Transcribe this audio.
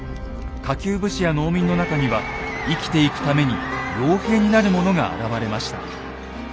下級武士や農民の中には生きていくために傭兵になる者が現れました。